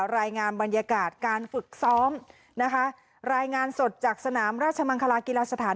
รายงานบรรยากาศการฝึกซ้อมนะคะรายงานสดจากสนามราชมังคลากีฬาสถาน